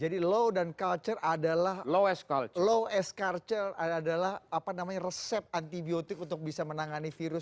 jadi low as culture adalah resep antibiotik untuk bisa menangani virus